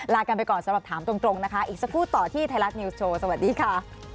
ลากันไปก่อนสำหรับถามตรงนะคะอีกสักครู่ต่อที่ไทยรัฐนิวส์โชว์สวัสดีค่ะ